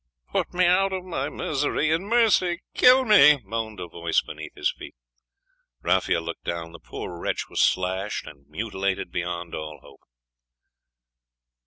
'Put me out of my misery! In mercy kill me!' moaned a voice beneath his feet. Raphael looked down; the poor wretch was slashed and mutilated beyond all hope.